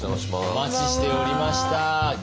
お待ちしておりました。